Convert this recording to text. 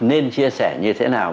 nên chia sẻ như thế nào